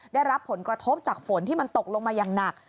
ได้รับผลกระทบจากฝนที่มันตกลงมาอย่างหนัก